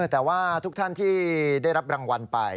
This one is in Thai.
แต่ว่าทุกท่านที่ได้รับรางวัลไป